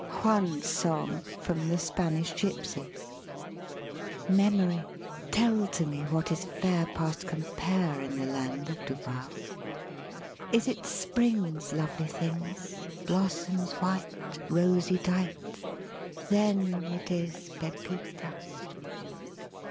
JAUN'S SONG FROM "THE SPANISH GYPSY " I " Memory, Tell to me What is fair Past compare In the land of Tubal? Is it Spring's Lovely things, Blossoms white, Rosy dight? Then it is Pepita.